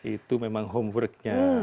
itu memang homeworknya